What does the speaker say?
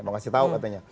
masih tahu katanya